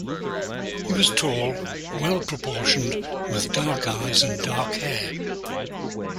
He was tall, well proportioned, with dark eyes and dark hair.